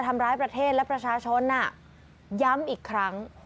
ทำร้ายประเทศและประชาชนน่ะย้ำอีกครั้ง